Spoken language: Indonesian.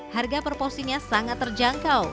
harga proporsinya sangat terjangkau